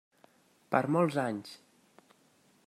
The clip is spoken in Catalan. Per molts anys!